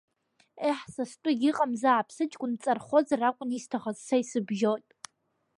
Ҟеҳ, са стәы егьыҟамзаап, сыҷкәын дҵархозар акәын исҭахыз, са исыбжьот!